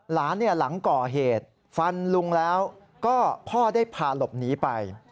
หลังก่อเหตุฟันลุงแล้วก็พ่อได้พาหลบหนีไป